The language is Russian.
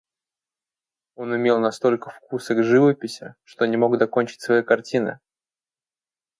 Он имел настолько вкуса к живописи, что не мог докончить своей картины.